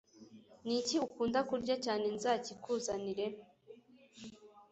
Niki ukunda kurya cyane nzakikuzanire